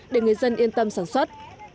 để người dân yên tâm sản xuất